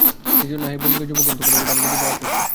সেইজন্য হে বঙ্গীয় যুবকগণ, তোমাদের প্রতি আমার হৃদয় আকৃষ্ট।